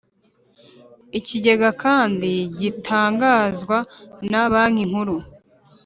Ikigega kandi gitangazwa na Banki Nkuru